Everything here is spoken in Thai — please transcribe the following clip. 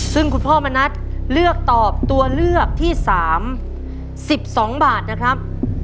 ซึ่งคุณพ่อมณัฐเลือกตอบตัวเลือกที่๓๑๒บาทนะครับ